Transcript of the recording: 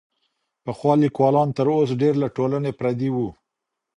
پخوا ليکوالان تر اوس ډېر له ټولني پردي وو.